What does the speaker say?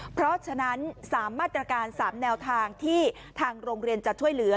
เพราะฉะนั้น๓มาตรการ๓แนวทางที่ทางโรงเรียนจะช่วยเหลือ